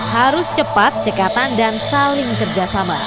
harus cepat cekatan dan saling kerjasama